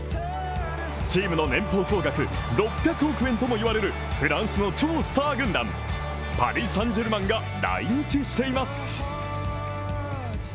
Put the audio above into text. チームの年俸総額６００億円ともいわれるフランスの超スター軍団、パリ・サン＝ジェルマンが来日しています。